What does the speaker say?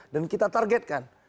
dan kita targetkan